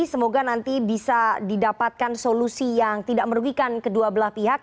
semoga nanti bisa didapatkan solusi yang tidak merugikan kedua belah pihak